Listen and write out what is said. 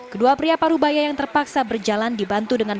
kedua pria parubaya yang terpaksa berjalan dibantu dengan